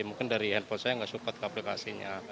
mungkin dari handphone saya nggak support ke aplikasinya